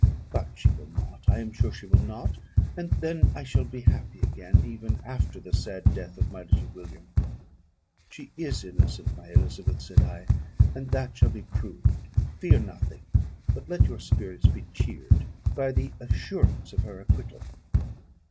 But she will not, I am sure she will not; and then I shall be happy again, even after the sad death of my little William." "She is innocent, my Elizabeth," said I, "and that shall be proved; fear nothing, but let your spirits be cheered by the assurance of her acquittal."